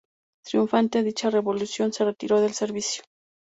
Triunfante dicha revolución, se retiró del servicio.